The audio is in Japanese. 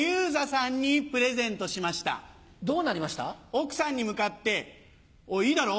奥さんに向かって「おいいいだろ？